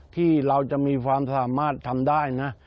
ที่เราจะมีความสามารถทำได้นะ